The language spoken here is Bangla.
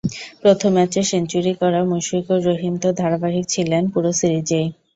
প্রথম ম্যাচে সেঞ্চুরি করা মুশফিকুর রহিম তো ধারাবাহিক ছিলেন পুরো সিরিজেই।